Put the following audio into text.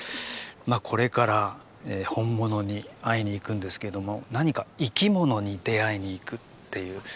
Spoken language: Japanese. まあこれから本物に会いに行くんですけども何か生き物に出会いに行くっていう。